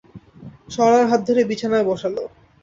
সরলার হাত ধরে বিছানায় বসাল।